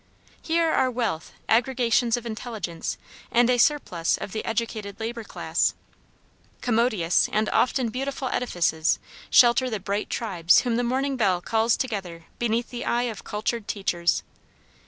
Here are wealth, aggregations of intelligence, and a surplus of the educated labor class. Commodious and often beautiful edifices shelter the bright tribes whom the morning bell calls together beneath the eye of cultured teachers.